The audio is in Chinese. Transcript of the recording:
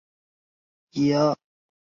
卡伦山。